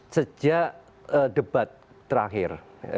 sejak debat terakhir